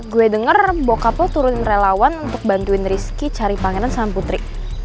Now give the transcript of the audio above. gue denger bokap lo turunin relawan untuk bantuin rizky cari pangeran sama putri